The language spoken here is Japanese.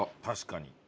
確かに。